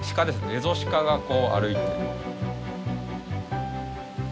エゾシカがこう歩いて。